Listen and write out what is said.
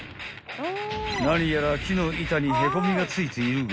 ［何やら木の板にへこみがついているが］